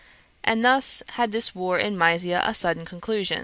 And thus had this war in Mysia a sudden conclusion.